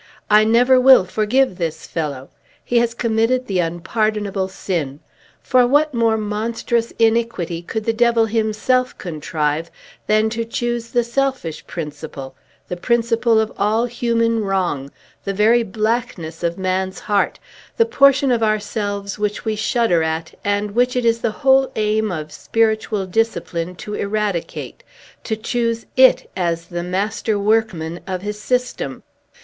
"I never will forgive this fellow! He has committed the unpardonable sin; for what more monstrous iniquity could the Devil himself contrive than to choose the selfish principle, the principle of all human wrong, the very blackness of man's heart, the portion of ourselves which we shudder at, and which it is the whole aim of spiritual discipline to eradicate, to choose it as the master workman of his system?